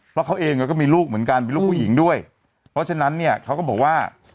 เพราะเขาเองก็มีลูกเหมือนกันมีลูกผู้หญิงด้วยเพราะฉะนั้นเนี่ยเขาก็บอกว่า